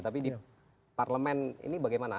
tapi di parlemen ini bagaimana